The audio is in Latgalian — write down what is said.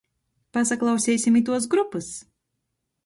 Pasaklauseisim ituos grupys!